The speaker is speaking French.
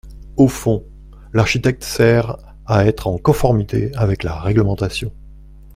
Au fond, l’architecte sert à être en conformité avec la réglementation.